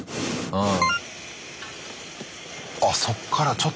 うん？